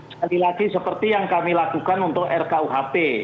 sekali lagi seperti yang kami lakukan untuk rkuhp